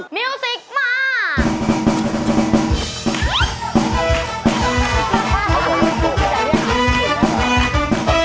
มิวสิกมา